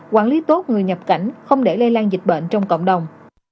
quản lý tốt người nhập cảnh không để lây lan dịch bệnh trong cộng đồng